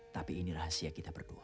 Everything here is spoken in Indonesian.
tapi ini rahasia kita berdua